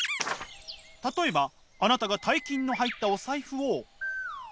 例えばあなたが大金の入ったお財布を。